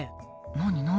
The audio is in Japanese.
何何？